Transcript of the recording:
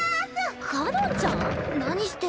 かのんちゃん⁉何してるの？